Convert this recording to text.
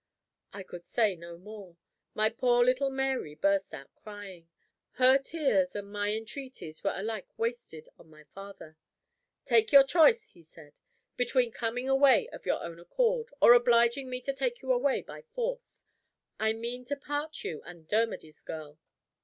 I could say no more. My poor little Mary burst out crying. Her tears and my entreaties were alike wasted on my father. "Take your choice," he said, "between coming away of your own accord, or obliging me to take you away by force. I mean to part you and Dermody's girl."